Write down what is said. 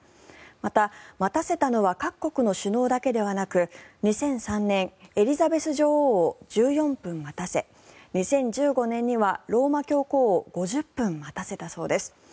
また、待たせたのは各国の首脳だけではなく２００３年、エリザベス女王を１４分待たせ２０１５年にはローマ教皇を５０分待たせたそうです。